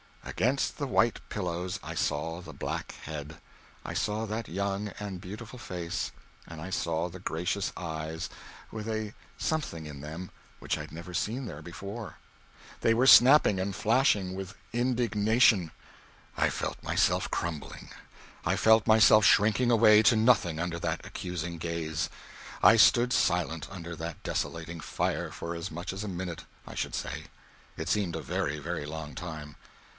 Against the white pillows I saw the black head I saw that young and beautiful face; and I saw the gracious eyes with a something in them which I had never seen there before. They were snapping and flashing with indignation. I felt myself crumbling; I felt myself shrinking away to nothing under that accusing gaze. I stood silent under that desolating fire for as much as a minute, I should say it seemed a very, very long time.